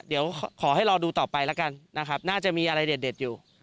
เดี๋ยวขอให้รอดูต่อไปแล้วกันนะครับน่าจะมีอะไรเด็ดอยู่